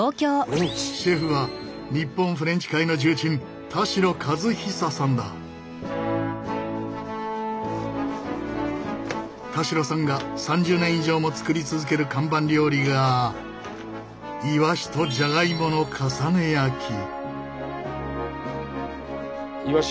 シェフは日本フレンチ界の重鎮田代さんが３０年以上も作り続ける看板料理がイワシとじゃがいもの重ね焼き。